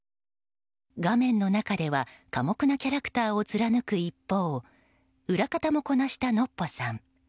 画面の中では寡黙なキャラクターを貫く一方裏方もこなした、のっぽさん。